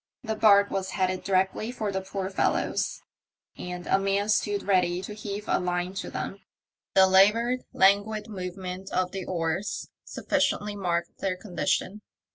The barque was headed directly for the poor fellows, and a man stood ready to heave a line to them. The laboured, languid movement of the oars sufficiently marked their condition.